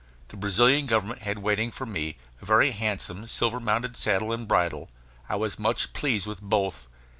The Brazilian Government had waiting for me a very handsome silver mounted saddle and bridle; I was much pleased with both.